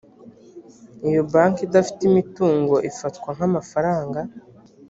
iyo banki idafite imitungo ifatwa nk amafaranga